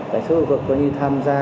cảnh sát khu vực tham gia